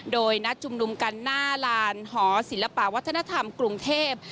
โดยนัดชุมนุมกันหน้าลานหอศิลปะวัฒนธรรมกรุงเทพ